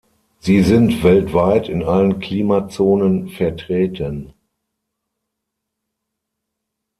Sie sind weltweit in allen Klimazonen vertreten.